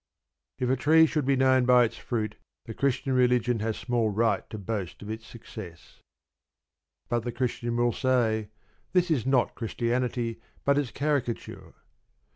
If a tree should be known by its fruit, the Christian religion has small right to boast of its success. But the Christian will say, "This is not Christianity, but its caricature."